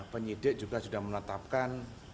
penyidik juga sudah menetapkan